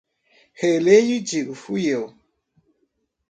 Releio e digo: "Fui eu?"